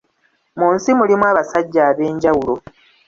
Mu nsi mulimu abasajja ab'enjawulo!